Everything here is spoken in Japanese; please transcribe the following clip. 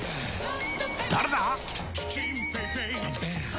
誰だ！